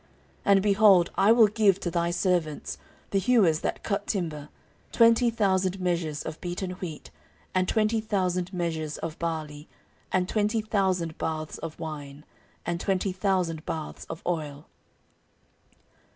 14:002:010 And, behold, I will give to thy servants, the hewers that cut timber, twenty thousand measures of beaten wheat, and twenty thousand measures of barley, and twenty thousand baths of wine, and twenty thousand baths of oil.